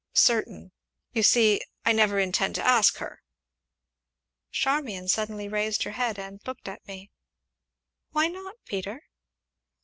"Certain! you see, I never intend to ask her." Charmian suddenly raised her head and looked at me, "Why not, Peter?"